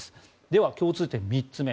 では、共通点３つ目。